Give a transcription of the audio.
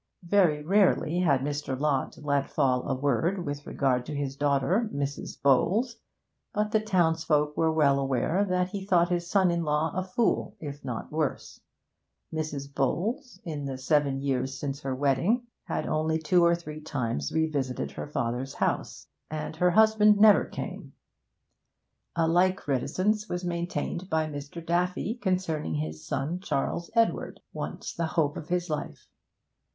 Very rarely had Mr. Lott let fall a word with regard to his daughter, Mrs. Bowles, but the townsfolk were well aware that he thought his son in law a fool, if not worse; Mrs. Bowles, in the seven years since her wedding, had only two or three times revisited her father's house, and her husband never came. A like reticence was maintained by Mr. Daffy concerning his son Charles Edward, once the hope of his life.